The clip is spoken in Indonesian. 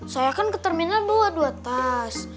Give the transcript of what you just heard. saya kan ke terminal dua dua tas